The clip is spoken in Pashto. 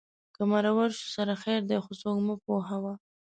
که مرور شو سره خیر دی خو څوک مه پوهوه